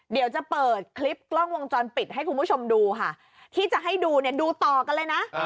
เดี๋ยวจะเปิดคลิปกล้องวงจรปิดให้คุณผู้ชมดูค่ะที่จะให้ดูเนี่ยดูต่อกันเลยนะ